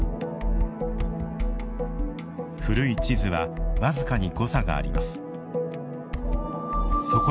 古い地図は僅かに誤差があります。